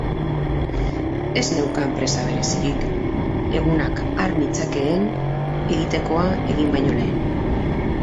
Ez neukan presa berezirik, egunak har nitzakeen egitekoa egin baino lehen.